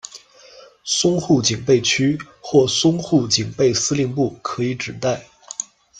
淞沪警备区，或淞沪警备司令部，可以指代：